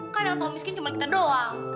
kadang kadang miskin cuma kita doang